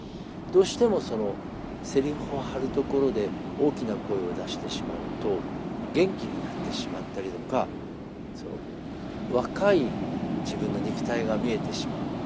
どうしてもそのセリフを張るところで大きな声を出してしまうと元気になってしまったりとか若い自分の肉体が見えてしまう。